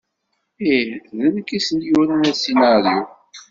Ih, d nekk i sen-yuran asinaryu.